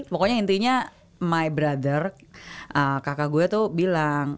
pokoknya intinya my brother kakak gue tuh bilang